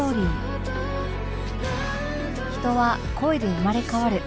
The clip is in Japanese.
人は恋で生まれ変わる